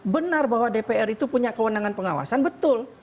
benar bahwa dpr itu punya kewenangan pengawasan betul